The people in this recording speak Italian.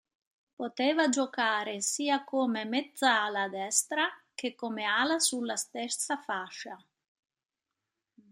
Poteva giocare sia come mezzala destra che come ala sulla stessa fascia.